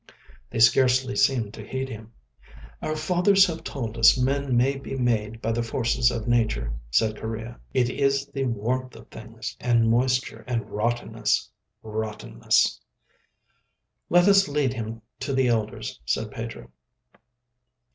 They scarcely seemed to heed him. "Our fathers have told us men may be made by the forces of Nature," said Correa. "It is the warmth of things, and moisture, and rottenness—rottenness." "Let us lead him to the elders," said Pedro.